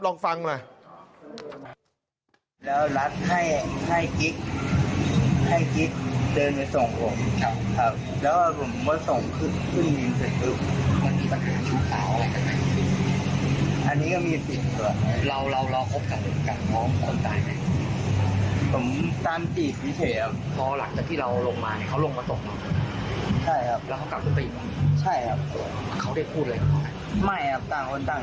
ลองฟังล่ะ